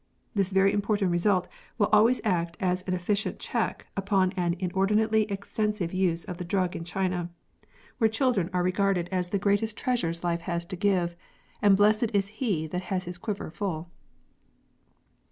This very important result will always act as an efficient check upon an inordinately extensive use of the drug in China, where children are regarded as the greatest 1 1 6 OPIUM SMOKING. treasures life has to give, and blessed is he that has his quiver full.